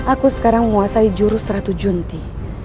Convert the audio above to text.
aku sekarang menguasai jurus ratu junti